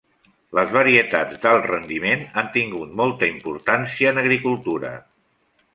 Les varietats d'alt rendiment han tingut molta importància en agricultura.